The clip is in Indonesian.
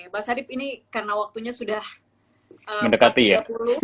mbak sadiq ini karena waktunya sudah mendekati ya